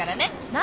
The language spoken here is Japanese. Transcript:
何？